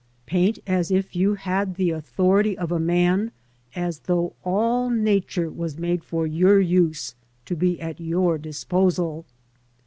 Paint as if you had the authority of a man, as though all Nature was made for your use, to be at your disposal.